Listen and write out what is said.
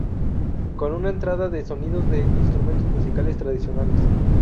Con una entrada de sonidos de instrumentos musicales tradicionales.